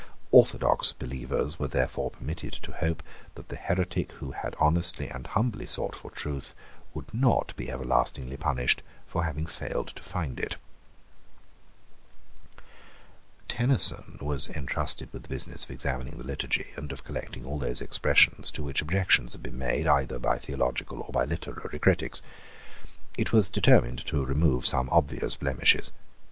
Orthodox believers were therefore permitted to hope that the heretic who had honestly and humbly sought for truth would not be everlastingly punished for having failed to find it, Tenison was intrusted with the business of examining the Liturgy and of collecting all those expressions to which objections had been made, either by theological or by literary critics. It was determined to remove some obvious blemishes.